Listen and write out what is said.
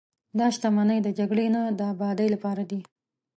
دا شتمنۍ د جګړې نه، د ابادۍ لپاره دي.